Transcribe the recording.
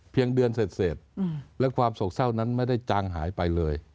เพียงเดือนเศรษฐ์อืมแล้วความโศกเศร้านั้นไม่ได้จางหายไปเลย